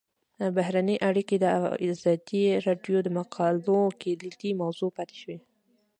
بهرنۍ اړیکې د ازادي راډیو د مقالو کلیدي موضوع پاتې شوی.